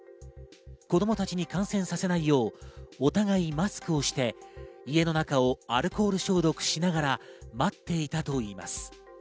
子供たちに感染させないようお互いマスクをして家の中をアルコール消毒をしながら待っていたといいます。